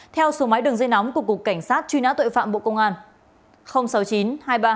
theo số máy đường dây nóng của cục cảnh sát truy nã tội phạm bộ công an